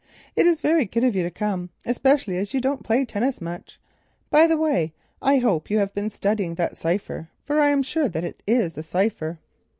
"It is very good of you to come, especially as you don't play tennis much—by the way, I hope you have been studying that cypher, for I am sure it is a cypher."